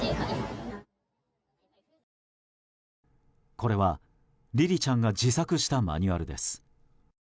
これは、りりちゃんが自作したマニュアルです。